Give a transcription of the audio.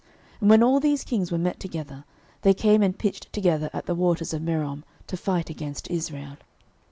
06:011:005 And when all these kings were met together, they came and pitched together at the waters of Merom, to fight against Israel.